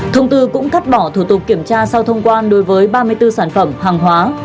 thông tư cũng cắt bỏ thủ tục kiểm tra sau thông quan đối với ba mươi bốn sản phẩm hàng hóa